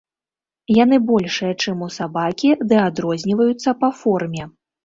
Яны большыя, чым у сабакі, ды адрозніваюцца па форме.